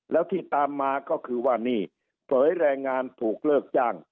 แล้วที่ตามมาก็คือว่านี่เผยแรงงานถูกเลิกจ้าง